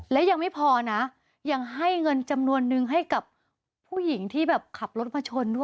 และยังไม่พอนะยังให้เงินจำนวนนึงให้กับผู้หญิงที่แบบขับรถมาชนด้วย